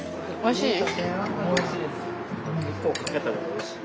おいしい？